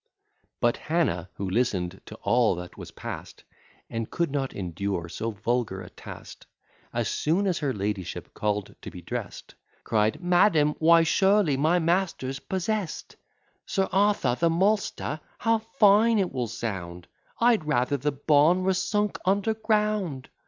But Hannah, who listen'd to all that was past, And could not endure so vulgar a taste, As soon as her ladyship call'd to be dress'd, Cried, "Madam, why surely my master's possess'd, Sir Arthur the maltster! how fine it will sound! I'd rather the bawn were sunk under ground.